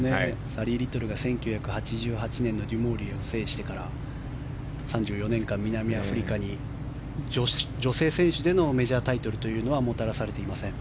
サリー・リトルが１９８８年のデュモーリエを制してから３４年間、南アフリカに女性選手でのメジャータイトルというのはもたらされていません。